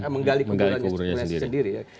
menggali kuburannya sendiri